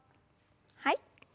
はい。